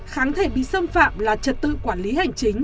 kháng thể bị xâm phạm là trật tự quản lý hành chính